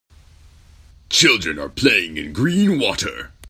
Children are playing in green water.